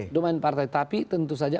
domain partai tapi tentu saja